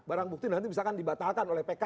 barang bukti nanti misalkan dibatalkan oleh pk